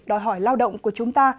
đòi hỏi lao động của chúng ta